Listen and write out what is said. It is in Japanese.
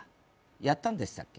やったんでしたっけ。